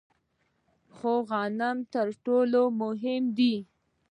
خو غنم تر ټولو مهم دي.